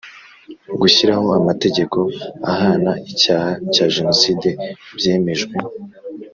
Gushyiraho amategeko ahana icyaha cya Jenoside byemejwe.